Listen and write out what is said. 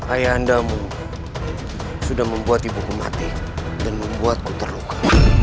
ayahandamu sudah membuat ibuku mati dan membuatku terluka